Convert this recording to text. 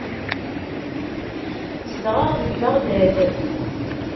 Zedɣeɣ deg Beɣdad.